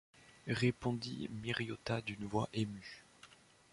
répondit Miriota d’une voix émue.